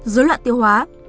dối loạn tiêu hóa